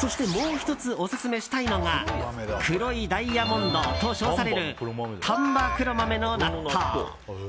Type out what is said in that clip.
そして、もう１つオススメしたいのが黒いダイヤモンドと称される丹波黒豆の納豆。